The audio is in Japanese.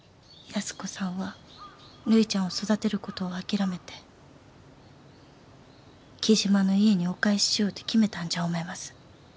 安子さんはるいちゃんを育てることを諦めて雉真の家にお返ししようと決めたんじゃ思います。